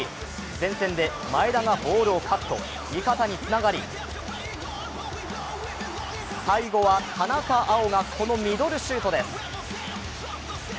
前線で前田がボールをカット、味方につながり、最後は田中碧がこのミドルシュートです。